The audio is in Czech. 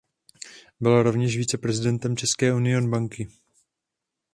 Byl rovněž viceprezidentem České union banky.